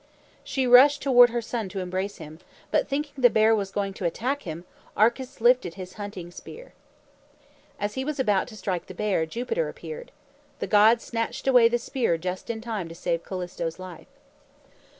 She rushed toward her son to embrace him, but thinking the bear was going to attack him, Arcas lifted his hunting spear. As he was about to strike the bear, Jupiter appeared. The god snatched away the spear just in time to save Callisto's life.